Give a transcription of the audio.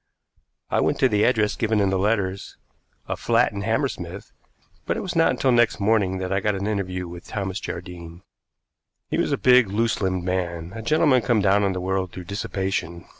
I went to the address given in the letters a flat in Hammersmith but it was not until next morning that I got an interview with Thomas Jardine. He was a big loose limbed man, a gentleman come down in the world through dissipation.